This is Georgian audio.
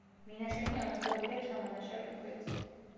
მინაშენი ამოვსებულია ჩამონაშალი ქვით.